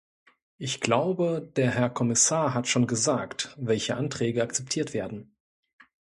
Ich glaube, der Herr Kommissar hat schon gesagt, welche Anträge akzeptiert werden.